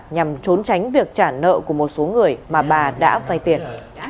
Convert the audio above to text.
nhằm trốn tránh việc trả nợ của một số người mà bà đã vay tiền